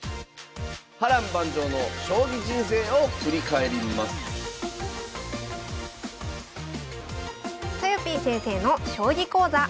波乱万丈の将棋人生を振り返りますとよぴー先生の将棋講座。